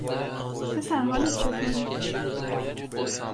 پسر حالت چطوره؟